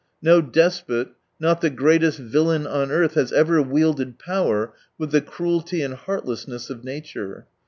No despot, not the greatest villain on earth, has ever wielded power with the cruelty and heart lessness of nature.